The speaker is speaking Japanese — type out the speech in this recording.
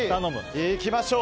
いきましょう。